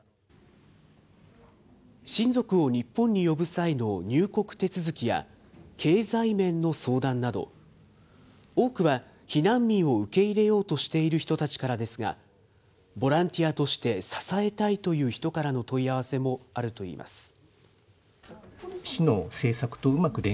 親族を日本に呼ぶ際の入国手続きや経済面の相談など、多くは避難民を受け入れようとしている人たちからですが、ボランティアとして支えたいという人からの問い合わせもあるといいます。